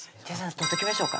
取ってきましょうか？